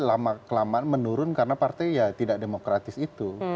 lama kelamaan menurun karena partai ya tidak demokratis itu